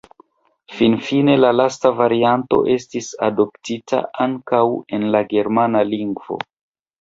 Finfine la lasta varianto estis adoptita ankaŭ en la germana lingvo.